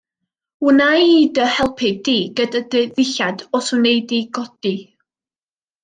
Wna i dy helpu di gyda dy ddillad os wnei di godi.